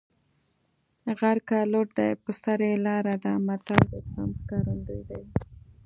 غر که لوړ دی په سر یې لاره ده متل د زغم ښکارندوی دی